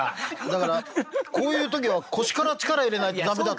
だからこういう時は腰から力入れないと駄目だって。